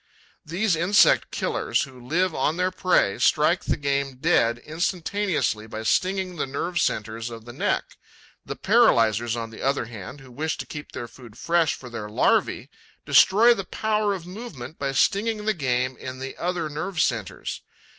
These insect killers, who live on their prey, strike the game dead instantaneously by stinging the nerve centres of the neck; the paralyzers, on the other hand, who wish to keep the food fresh for their larvae, destroy the power of movement by stinging the game in the other nerve centres.